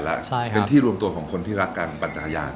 และเป็นที่รวมตัวของคนที่รักการปั่นจักรยาน